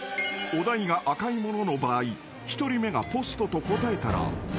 ［お題が赤いものの場合１人目がポストと答えたら］